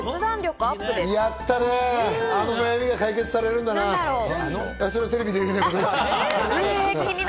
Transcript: あの悩みが解決されるんだな。